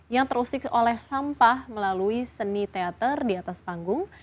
yang terusik oleh sampah melalui seni teater di atas panggung